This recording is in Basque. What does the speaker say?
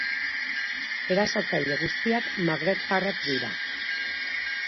Erasotzaile guztiak magrebtarrak dira.